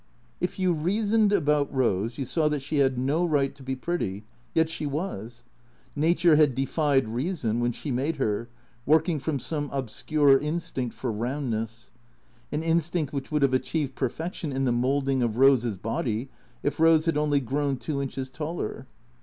If you reasoned about Eose, you saw that she had no right to be pretty, yet she was. Nature had defied reason when she made her, working from some obscure instinct for roundness; an instinct which would have achieved perfection in the moulding of Eose's body if Eose had only grown two inches taller.